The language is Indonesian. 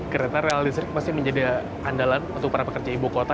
kereta rel listrik masih menjadi andalan untuk para pekerja ibu kota